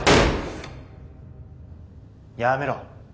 やめろ。